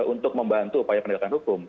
untuk membantu upaya penegakan hukum